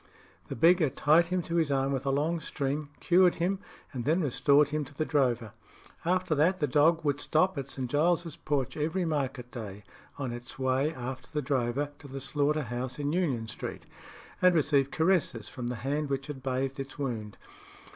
The beggar tied him to his arm with a long string, cured him, and then restored him to the drover. After that, the dog would stop at St. Giles's porch every market day on its way after the drover to the slaughter house in Union Street, and receive caresses from the hand which had bathed its wound.